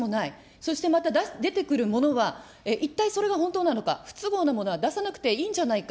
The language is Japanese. そしてまた出てくるものは、一体それが本当なのか、不都合なものは出さなくていいんじゃないか。